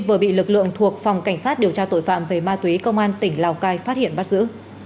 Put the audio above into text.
vừa bị lực lượng thuộc phòng cảnh sát điều tra tội phạm về ma túy công an tỉnh lào cai phát hiện bắt giữ